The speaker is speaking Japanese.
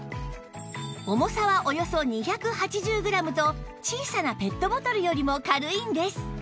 重さはおよそ２８０グラムと小さなペットボトルよりも軽いんです